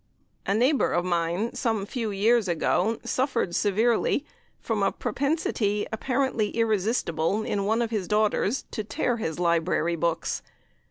A neighbour of mine some few years ago suffered severely from a propensity, apparently irresistible, in one of his daughters to tear his library books.